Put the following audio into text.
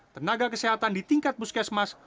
tenaga kesehatan di tingkat puskesmas